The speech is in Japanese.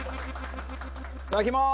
いただきます！